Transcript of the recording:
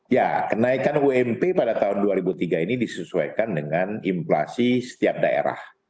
ya kenaikan ump pada tahun dua ribu tiga ini disesuaikan dengan inflasi setiap daerah